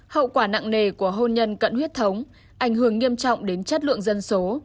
hậu quả nặng nề của hôn nhân cận huyết thống ảnh hưởng nghiêm trọng đến chất lượng dân số